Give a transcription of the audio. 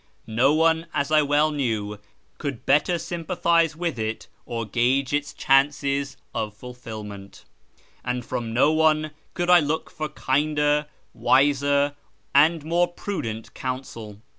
No one, as I well knew, could better sympathise with it or gauge its chances of fulfilment, and from no one could I look for kinder, wiser, and more prudent counsel.